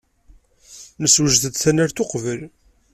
Nessewjed-d tanalt uqbel.